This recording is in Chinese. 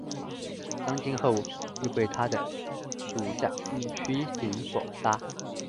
张津后又被他的属将区景所杀。